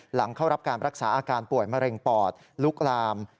หลังเข้ารับการรักษาอาการป่วยมะเร็งปอดลุกลาม